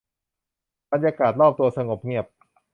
บรรยากาศรอบตัวเงียบสงบ